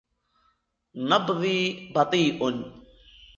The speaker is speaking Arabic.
نبضي بطيء.